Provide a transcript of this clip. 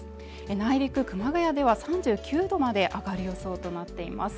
内陸・熊谷では３９度まで上がる予想となっています